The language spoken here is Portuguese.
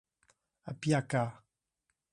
Apiacá